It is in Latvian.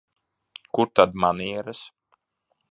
Kur tad manieres?